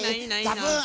ザブーン。